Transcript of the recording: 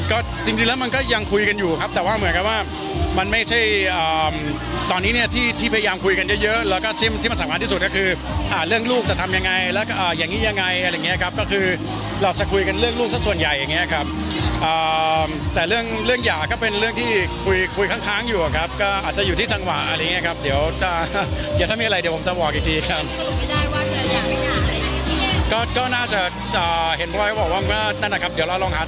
ก็จริงแล้วมันก็ยังคุยกันอยู่ครับแต่ว่าเหมือนกันว่ามันไม่ใช่ตอนนี้เนี่ยที่ที่พยายามคุยกันเยอะแล้วก็ที่มันสามารถที่สุดก็คือเรื่องลูกจะทำยังไงแล้วก็อย่างงี้ยังไงอะไรอย่างงี้ครับก็คือเราจะคุยกันเรื่องลูกสักส่วนใหญ่อย่างงี้ครับแต่เรื่องอยากก็เป็นเรื่องที่คุยค้างอยู่ครับก็อาจจะอยู่ที่จังหวะอะไรอย่